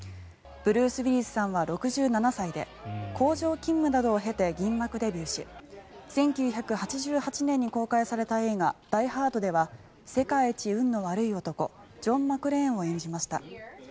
ブルース・ウィリスさんは６７歳で工場勤務などを経て銀幕デビューし１９８８年に公開された映画「ダイ・ハード」では世界一運の悪い男ジョン・マクレーンを演じました。